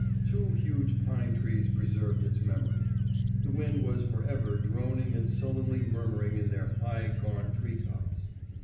Two huge pine trees preserved its memory; the wind was for ever droning and sullenly murmuring in their high gaunt green tops.